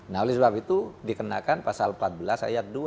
nah oleh sebab itu dikenakan pasal empat belas ayat dua